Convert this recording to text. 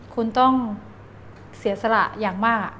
คุณต้องเสียสละอย่างมาก